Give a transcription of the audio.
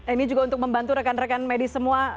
ini juga untuk membantu rekan rekan medis semua